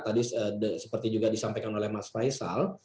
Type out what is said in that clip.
tadi seperti juga disampaikan oleh mas faisal